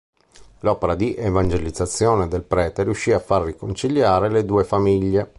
L'opera di evangelizzazione del prete riuscì a far riconciliare le due famiglie.